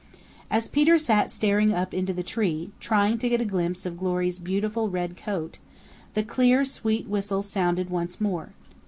As Peter sat staring up into the tree, trying to get a glimpse of Glory's beautiful red coat, the clear, sweet whistle sounded once more.